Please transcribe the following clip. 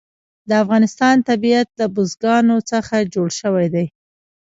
د افغانستان طبیعت له بزګانو څخه جوړ شوی دی.